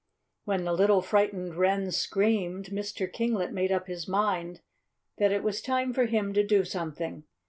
When the little frightened wren screamed, Mr. Kinglet made up his mind that it was time for him to do something.